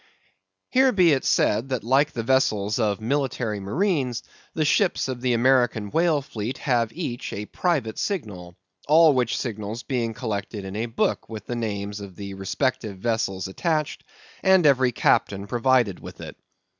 Here be it said, that like the vessels of military marines, the ships of the American Whale Fleet have each a private signal; all which signals being collected in a book with the names of the respective vessels attached, every captain is provided with it.